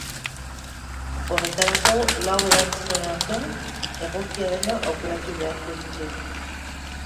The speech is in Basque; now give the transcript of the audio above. Horretarako lau erantzunen artean egokia dena aukeratu beharko dute.